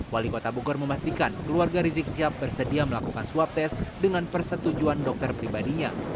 wali kota bogor memastikan keluarga rizik sihab bersedia melakukan swab tes dengan persetujuan dokter pribadinya